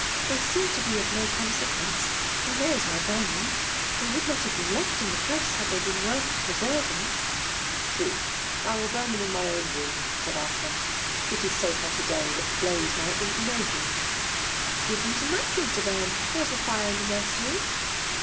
They seem to be of no consequence ;— we may as well burn them ;— they would not have been left in. the press, had they been worth preserving.'* " True— I wnll burn them in my own room," said Arthur; <' it is so hot a day that the blaze might incommode you." P£MALE DOMINATION. 33' *' Give them to MacUin to bum ; there is a fire in the nursery."